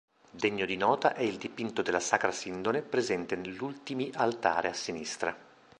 Degno di nota è il dipinto della Sacra Sindone presente nell'ultimi Altare a sinistra.